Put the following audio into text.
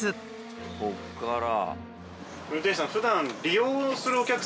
こっから。